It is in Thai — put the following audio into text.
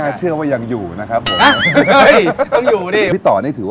อายุเท่าไหร่นะปีนี้